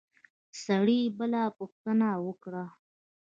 سړي بله پوښتنه وکړه.